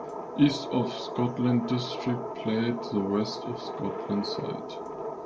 East of Scotland District played the West of Scotland side.